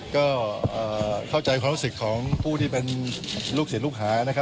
ก็เข้าใจความรู้สึกของผู้ที่เป็นลูกศิษย์ลูกหานะครับ